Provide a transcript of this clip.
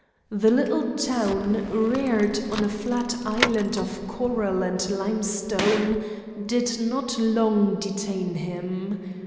The little town, reared on a flat island of coral and limestone, did not long detain him.